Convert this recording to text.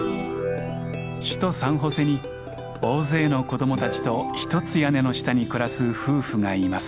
首都サンホセに大勢の子どもたちと一つ屋根の下に暮らす夫婦がいます。